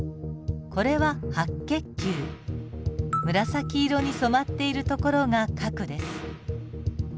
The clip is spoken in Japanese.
紫色に染まっているところが核です。